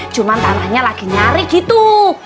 cuma tanahnya lagi nyari gitu